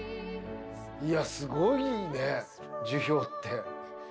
いやすごいね樹氷って。